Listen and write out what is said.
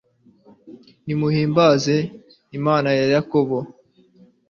nimuhimbaze Imana ya Yakobo